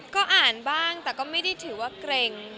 ก็อ่านบ้างแต่ก็ไม่ได้ถือว่าเกร็ง